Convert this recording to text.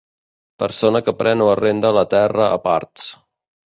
Persona que pren o arrenda la terra a parts.